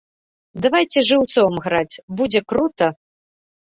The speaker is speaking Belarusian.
Давайце жыўцом граць, будзе крута!